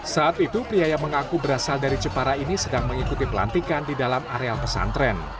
saat itu pria yang mengaku berasal dari jepara ini sedang mengikuti pelantikan di dalam areal pesantren